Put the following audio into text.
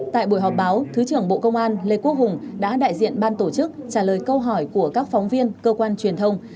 tại buổi họp báo thứ trưởng bộ công an lê quốc hùng đã đại diện ban tổ chức trả lời câu hỏi của các phóng viên cơ quan truyền thông